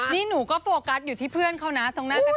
นี่หนูก็โฟกัสอยู่ที่เพื่อนเขานะตรงหน้ากระดา